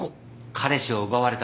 彼氏を奪われた